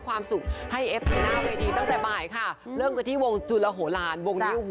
ความสุขให้เอฟอยู่หน้าเวทีตั้งแต่บ่ายค่ะเริ่มกันที่วงจุลโหลานวงนี้